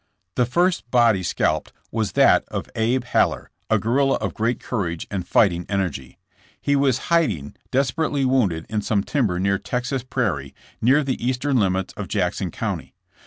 The first body scalped was that of Ab. Haller, a guerrilla of great courage and fighting energy. He was hiding, desperately wounded, in so me timber near Texas Prairie, near the eastern limits of Jackson County.